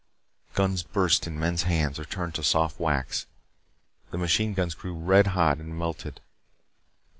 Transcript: Guns burst in men's hands or turned to soft wax. The machine guns grew red hot and melted.